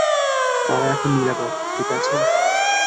তারা এখন নিরাপদ, ঠিকাছে?